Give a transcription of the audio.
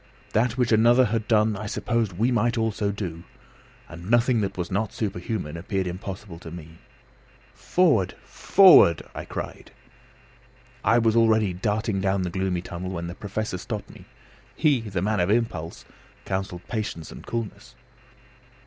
That which another had done I supposed we might also do, and nothing that was not superhuman appeared impossible to me. "Forward! forward!" I cried. I was already darting down the gloomy tunnel when the Professor stopped me; he, the man of impulse, counselled patience and coolness.